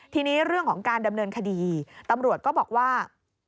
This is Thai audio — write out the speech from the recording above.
ทีนี้เรื่องของการดำเนินคดีตำรวจก็บอกว่า